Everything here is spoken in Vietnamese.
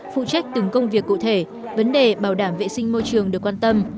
phụ trách từng công việc cụ thể vấn đề bảo đảm vệ sinh môi trường được quan tâm